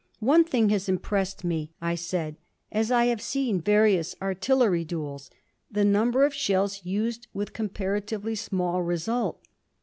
"One thing has impressed me," I said, "as I have seen various artillery duels the number of shells used with comparatively small result.